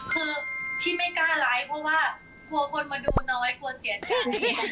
คือพี่ไม่กล้าไลฟ์เพราะว่ากลัวคนมาดูน้อยกลัวเสียใจ